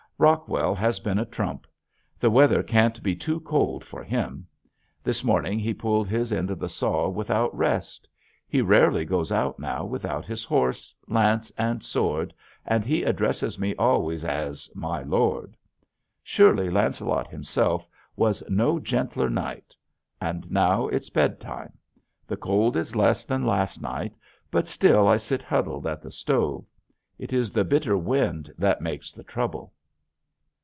Rockwell has been a trump. The weather can't be too cold for him. This morning he pulled his end of the saw without rest. He rarely goes out now without his horse, lance, and sword and he addresses me always as "My lord." Surely Lancelot himself was no gentler knight. And now it's bedtime. The cold is less than last night but still I sit huddled at the stove. It is the bitter wind that makes the trouble.